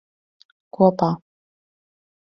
Kopā.